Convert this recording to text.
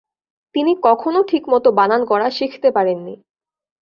তিনি কখনো ঠিকমত বানান করা শিখতে পারেন নি।